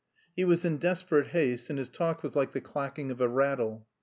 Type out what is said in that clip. (He was in desperate haste and his talk was like the clacking of a rattle.)